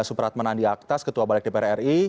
supratman andi aktas ketua balik dpr ri